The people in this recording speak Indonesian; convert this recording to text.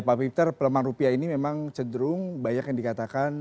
pak peter pelemahan rupiah ini memang cenderung banyak yang dikatakan